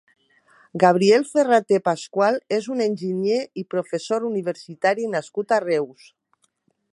Gabriel Ferraté Pascual és un enginyer i professor universitari nascut a Reus.